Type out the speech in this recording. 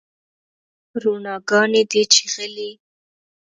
روڼاګاني دي چیښلې